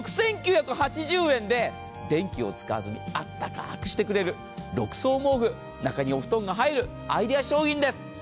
６９８０円で電気を使わずにあったかくしてくれる６層毛布、中にお布団が入るアイデア商品です。